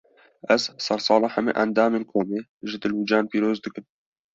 Ez, sersala hemî endamên komê, ji dil û can pîroz dikim